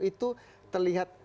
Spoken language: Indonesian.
itu terlihat rumit